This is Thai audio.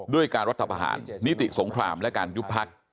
ด้วยการรัฐประหารนิติสงครามและการยุบพัก